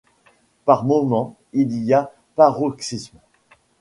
Par moments, il y a paroxysme.